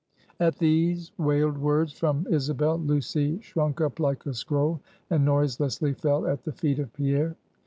At these wailed words from Isabel, Lucy shrunk up like a scroll, and noiselessly fell at the feet of Pierre.